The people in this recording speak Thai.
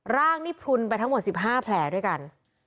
ร่างนี่พลุนไปทั้งหมด๑๕แผลด้วยกัน